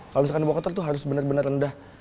kalau misalkan di bokator tuh harus bener bener rendah